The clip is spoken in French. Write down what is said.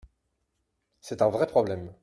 C’est un vrai problème.